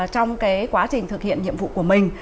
trong quá trình thực hiện nhiệm vụ của mình